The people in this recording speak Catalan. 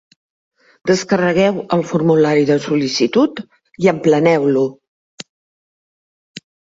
Descarregueu el formulari de sol·licitud i empleneu-lo.